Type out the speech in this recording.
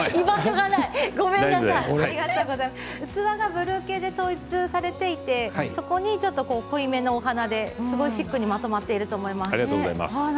器がブルー系で統一されていてそこに濃いめのお花で、シックにまとまっていると思います。